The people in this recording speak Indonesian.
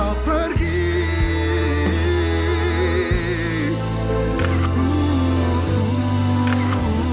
trunk pengaja wonga yuk